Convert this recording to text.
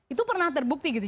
itu pernah terbukti gitu